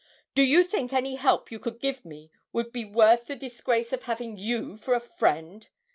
Do you think any help you could give me would be worth the disgrace of having you for a friend?